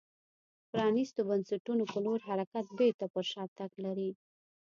پرانیستو بنسټونو په لور حرکت بېرته پر شا تګ لري